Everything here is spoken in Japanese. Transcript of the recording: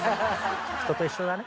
人と一緒だね。